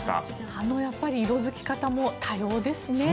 葉の色付き方も多様ですね。